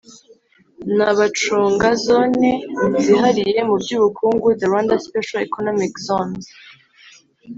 nabacunga Zone Zihariye mu by Ubukungu the Rwanda Special Economic Zones